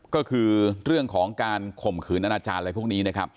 ก็คือเรื่องของการข่มขืนอนาจารย์อะไรพวกนี้นะครับ